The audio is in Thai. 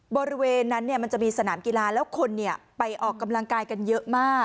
บริเวณนั้นมันจะมีสนามกีฬาแล้วคนไปออกกำลังกายกันเยอะมาก